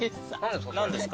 何ですか？